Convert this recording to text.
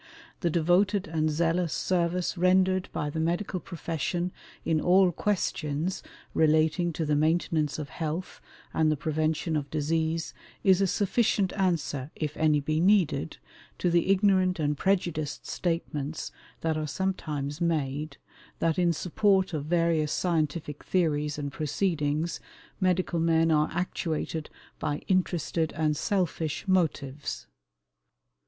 The devoted and zealous service rendered by the medical profession in all questions relating to the maintenance of health and the prevention of disease is a sufficient answer, if any be needed, to the ignorant and prejudiced statements that are sometimes made, that in support of various scientific theories and proceedings medical men are actuated by interested and selfish motives.